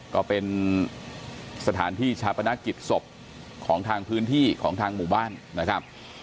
ก็เป็นสถานที่ชาปนกิจศพของทางพื้นที่ของทางหมู่บ้านนะครับ